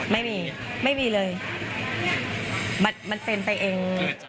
ไม่มีไม่มีเลยมันเป็นไปเอง